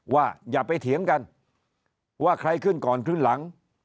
อย่าไปเถียงกันว่าใครขึ้นก่อนขึ้นหลัง